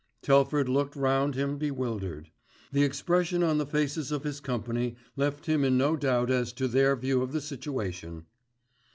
Telford looked round him bewildered. The expression on the faces of his company left him in no doubt as to their view of the situation.